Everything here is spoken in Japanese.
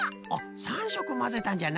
３しょくまぜたんじゃな。